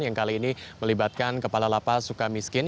yang kali ini melibatkan kepala lapa sukamiskin